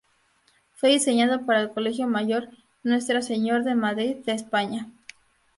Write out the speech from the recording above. Fue diseñado para el Colegio Mayor Nuestra Señor de Madrid, de España.